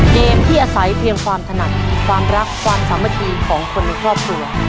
เกมที่อาศัยเพียงความถนัดความรักความสามัคคีของคนในครอบครัว